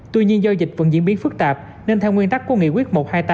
tuy nhiên do dịch vẫn diễn biến phức tạp nên theo nguyên tắc của nghị quyết một trăm hai mươi tám